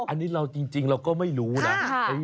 อันนี้เราจริงเราก็ไม่รู้นะ